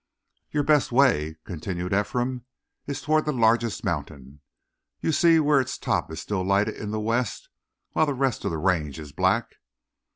"Your best way," continued Ephraim, "is toward that largest mountain. You see where its top is still lighted in the west, while the rest of the range is black.